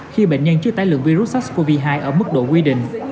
khi bệnh nhân chưa tái lượng virus sars cov hai ở mức độ quy định